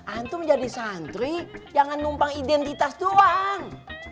antum jadi santri jangan numpang identitas doang